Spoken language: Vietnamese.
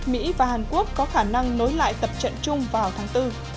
mỹ và hàn quốc có khả năng nối lại tập trận chung vào tháng bốn